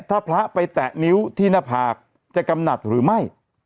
ถ้าพระไปแตะนิ้วที่หน้าผากจะกำหนักหรือไม่